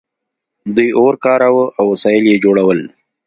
دوی اور کاراوه او وسایل یې جوړول.